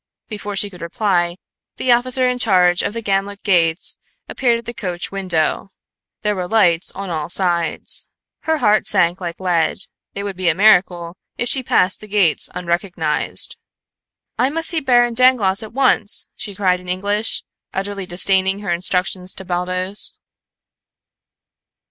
Before she could reply the officer in charge of the Ganlook gates appeared at the coach window. There were lights on all sides. Her heart sank like lead. It would be a miracle if she passed the gates unrecognized. "I must see Baron Dangloss at once," she cried in English, utterly disdaining her instructions to Baldos.